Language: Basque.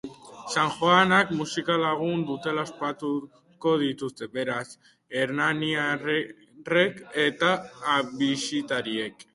Sanjoanak musika lagun dutela ospatuko dituzte, beraz, hernaniarrek eta bisitariek.